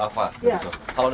kalau dari segi usia